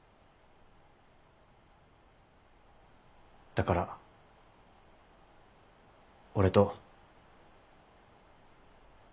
だから俺と。